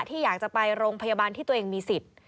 ที่อยากจะไปโรงพยาบาลที่ตัวเองมีสิทธิ์